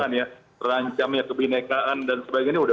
terancamnya kebhinnekaan dan sebagainya